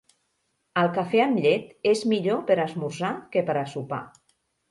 El cafè amb llet és millor per a esmorzar que per a sopar.